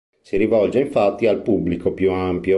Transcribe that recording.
Si rivolge infatti al pubblico più ampio.